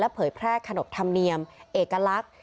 เผยแพร่ขนบธรรมเนียมเอกลักษณ์